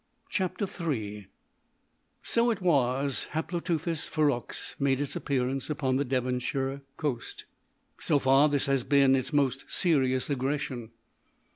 III So it was Haploteuthis ferox made its appearance upon the Devonshire coast. So far, this has been its most serious aggression.